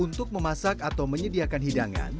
untuk memasak atau menyediakan hidangan